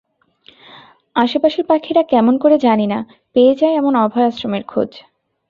আশপাশের পাখিরা, কেমন করে জানি না, পেয়ে যায় এমন অভয় আশ্রয়ের খোঁজ।